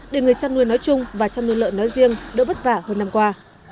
để người chăn nuôi nói chung và chăn nuôi lợi nói riêng đỡ bất vả hơn năm qua